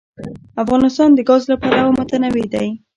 افغانستان د ګاز له پلوه متنوع دی.